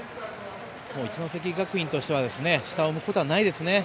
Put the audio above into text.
一関学院としては下を向くことはないですね。